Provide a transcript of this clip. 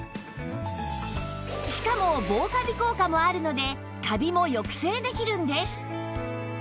しかも防カビ効果もあるのでカビも抑制できるんです